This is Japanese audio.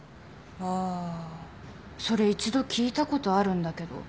あーそれ一度聞いたことあるんだけど。